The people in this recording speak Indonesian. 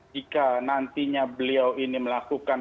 jika nantinya beliau ini melakukan